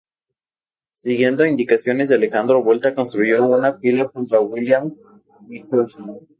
Siguiendo indicaciones de Alejandro Volta construyó una pila junto a William Nicholson.